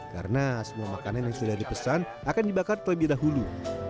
karena semua makanan yang sudah dipesan akan dibakar lebih dahulu